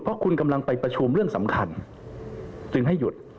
เพราะคุณกำลังไปประชุมเรื่องสำคัญจึงให้หยุด